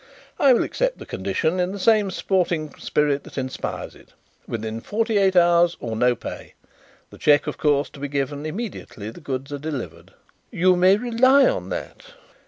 "I will accept the condition in the same sporting spirit that inspires it. Within forty eight hours or no pay. The cheque, of course, to be given immediately the goods are delivered?" "You may rely on that."